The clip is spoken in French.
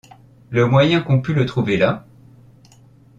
Le moyen qu’on pût le trouver là?